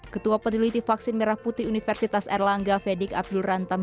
ketua peneliti vaksin merah putih universitas erlangga fedik abdul rantam